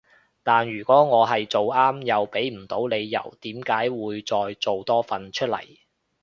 但如果我係做啱又畀唔到理由點解會再做多份出嚟